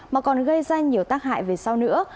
mà còn gây ra nhiều tác hại về sau nữa